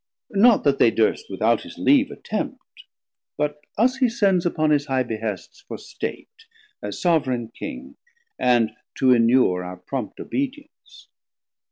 Not that they durst without his leave attempt, But us he sends upon his high behests For state, as Sovran King, and to enure Our prompt obedience.